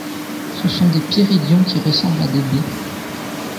Ce sont des piridions qui ressemblent à des baies.